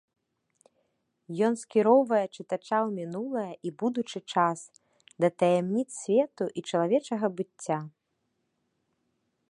Ён скіроўвае чытача ў мінулае і будучы час, да таямніц свету і чалавечага быцця.